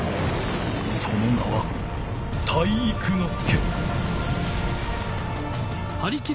その名は体育ノ介！